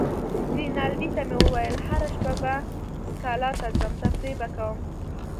رینالډي ته مې وویل: هره شپه به سکالا ته ځم، تفریح به کوم.